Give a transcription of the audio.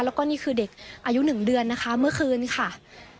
แล้วก็นี่คือเด็กอายุ๑เดือนนะคะเมื่อคืนค่ะ